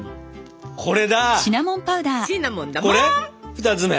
２つ目。